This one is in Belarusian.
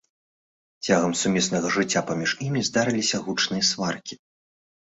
Цягам сумеснага жыцця паміж імі здараліся гучныя сваркі.